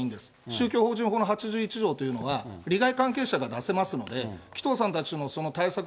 宗教法人法の８１条というのは、利害関係者が出せますので、紀藤さんたちの対策